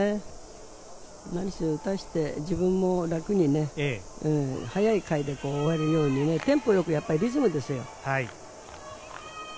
打たして自分も楽に、早い回で終わるようにテンポよくリズムですよ。